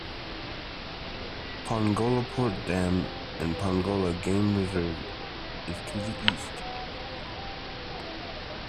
Pongolapoort Dam and Pongola Game Reserve is to the east.